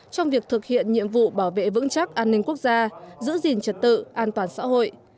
trong việc thực hiện nhiệm vụ bảo vệ vững chắc an ninh quốc gia giữ gìn trật tự an toàn xã hội